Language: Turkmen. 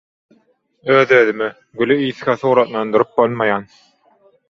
Öz-özüme «Güli ysga, suratlandyryp bolmaýan